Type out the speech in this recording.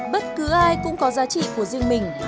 bất cứ ai cũng có giá trị của riêng mình